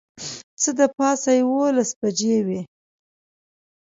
څه د پاسه یوولس بجې وې.